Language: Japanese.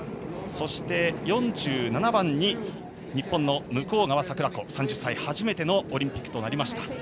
そして、４７番に日本の向川桜子３０歳、初めてのオリンピックとなりました。